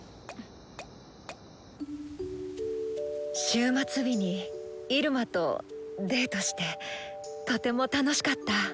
終末日にイルマとデートしてとても楽しかった。